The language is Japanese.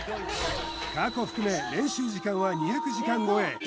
過去含め練習時間は２００時間超え